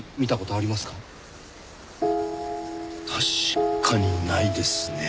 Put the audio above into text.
確かにないですね。